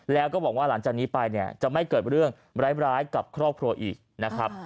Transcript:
แล้วก็บอกว่าหลังจากนี้ไปเนี่ยจะไม่เกิดเรื่องร้ายกับครอบครัวอีกนะครับ